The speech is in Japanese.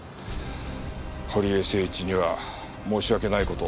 堀江誠一には申し訳ない事をした。